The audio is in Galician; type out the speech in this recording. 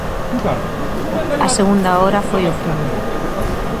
A segunda hora foi o fume.